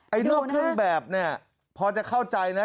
นอกเครื่องแบบเนี่ยพอจะเข้าใจนะ